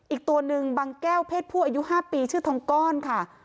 อีกตัวหนึ่งบางแก้วเพศผู้อายุ๕ปีชื่อทองก้อนค่ะ